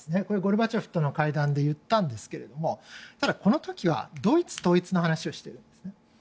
これはゴルバチョフとの会談で言ったんですがただ、この時はドイツ統一の話をしているんです。